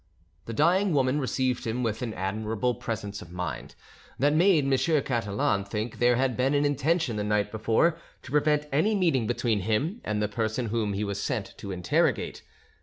The dying woman received him with an admirable presence of mind, that made M. Catalan think there had been an intention the night before to prevent any meeting between him and the person whom he was sent to interrogate.